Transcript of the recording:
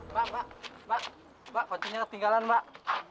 mbak mbak mbak mbak fasilnya ketinggalan mbak